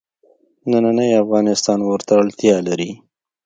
نننی افغانستان ورته اړتیا لري.